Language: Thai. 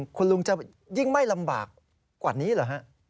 อีกข้างหนึ่งคุณลุงจะยิ่งไม่ลำบากกว่านี้เหรอฮะ